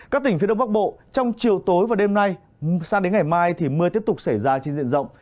các tỉnh phía đông bắc bộ trong chiều tối và đêm nay sang đến ngày mai thì mưa tiếp tục xảy ra trên diện rộng